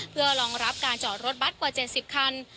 เพื่อรองรับการจอดรถบัตรกว่า๗๐คัน